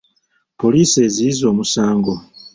Poliisi eziyiza omusango.